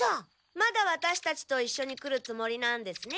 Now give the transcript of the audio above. まだワタシたちといっしょに来るつもりなんですね。